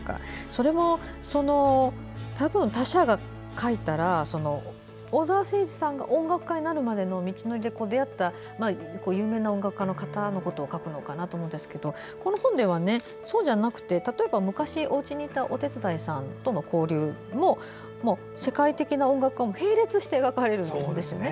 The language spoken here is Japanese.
それを他者が書いたら小澤征爾さんが音楽家になるまでの道のりで出会った有名な音楽家の方のことを書くのかなと思うんですがこの本ではそうじゃなくて例えば、昔おうちにいたお手伝いさんとの交流も、世界的な音楽家も並列して描かれるんですね。